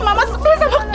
mama sedih sama kamu